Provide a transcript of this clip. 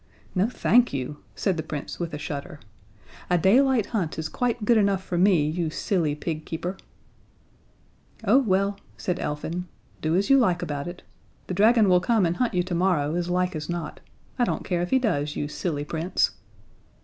"No, thank you," said the Prince, with a shudder. "A daylight hunt is quite good enough for me, you silly pig keeper." "Oh, well," said Elfin, "do as you like about it the dragon will come and hunt you tomorrow, as likely as not. I don't care if he does, you silly Prince."